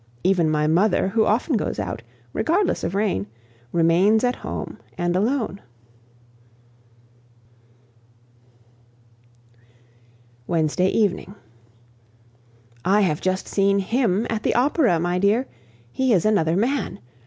Even my mother, who often goes out, regardless of rain, remains at home, and alone. Wednesday evening. I have just seen him at the Opera, my dear; he is another man.